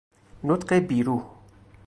نطق بیروح